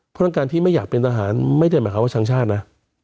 เพราะฉะนั้นการที่ไม่อยากเป็นทหารไม่ได้หมายความว่าทั้งชาตินะ